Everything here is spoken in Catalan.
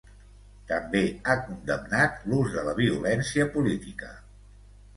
També ha condemnat l'ús de la violència política.